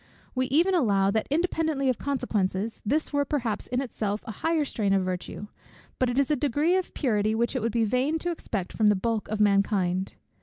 We even allow, that independently of consequences, this were perhaps in itself a higher strain of virtue; but it is a degree of purity which it would be vain to expect from the bulk of mankind.